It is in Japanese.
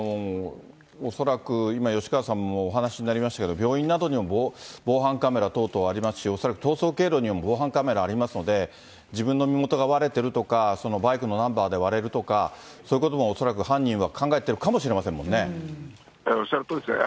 恐らく今、吉川さんもお話になりましたけど、病院などにも防犯カメラ等々ありますし、恐らく逃走経路にも防犯カメラありますので、自分の身元が割れてるとか、そのバイクのナンバーで割れるとか、そういうことも恐らく犯人はおっしゃるとおりですね。